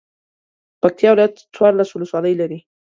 پکتیا ولایت څوارلس ولسوالۍ لري.